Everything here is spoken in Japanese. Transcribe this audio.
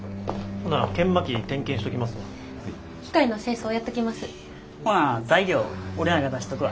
ほな材料俺らが出しとくわ。